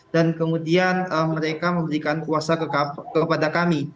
dan kemudian mereka memberikan kuasa kepada kami